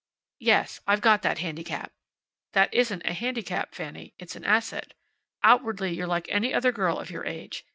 "Yes, I've got that handicap." "That isn't a handicap, Fanny. It's an asset. Outwardly you're like any other girl of your age.